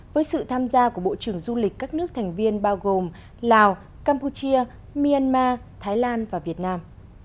với sự tham gia của bộ trưởng du lịch các nước thành viên bao gồm lào campuchia myanmar thái lan và việt nam